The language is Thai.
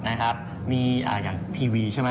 นะครับมีอย่างทีวีใช่ไหม